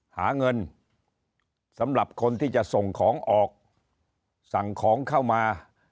หาเงินสำหรับคนที่จะส่งของออกสั่งของเข้ามา